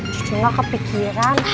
cucu gak kepikiran